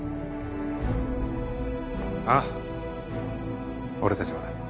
ああ俺たちもだ。